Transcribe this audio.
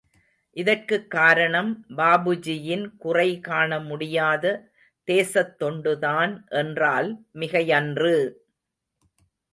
இதற்குக் காரணம் பாபுஜியின் குறை காண முடியாத தேசத் தொண்டுதான் என்றால் மிகையன்று!